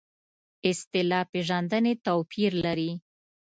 اصطلاح پېژندنې توپیر لري.